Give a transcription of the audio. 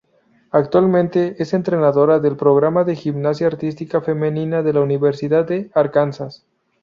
Actualmente es entrenadora del programa de gimnasia artística femenina de la Universidad de Arkansas.